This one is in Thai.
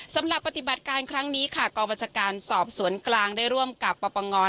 สำหรับปฏิบัติการครั้งนี้ค่ะกองบัญชาการสอบสวนกลางได้ร่วมกับปปง